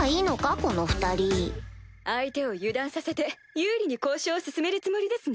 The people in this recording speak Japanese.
この２人相手を油断させて有利に交渉を進めるつもりですね？